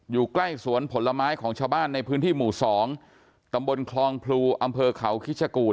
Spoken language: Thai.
อยู่ใกล้สวนผลไม้ของชาวบ้านในพื้นที่หมู่๒ตำบลคลองพลูอำเภอเขาคิชกูล